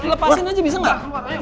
lepasin aja bisa gak